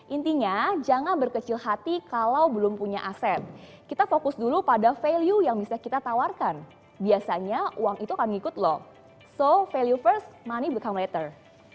intinya jangan berkecil hati kalau belum punya aset kita fokus dulu pada value yang bisa kita tawarkan biasanya uang itu akan ngikut loh so value first money become later